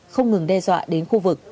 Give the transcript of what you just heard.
không ngừng đe dọa đến khu vực